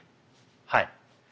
はい。